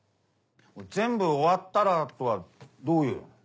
「全部終わったら」とはどういう？